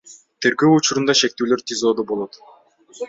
Тергөө учурунда шектүүлөр ТИЗОдо болот.